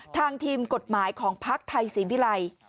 ทางทีมกฎหมายของภาคไทยสีวิรัย